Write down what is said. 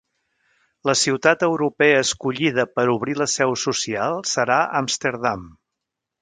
La ciutat europea escollida per obrir la seu social serà Amsterdam.